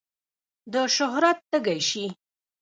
د شهرت تږی شي.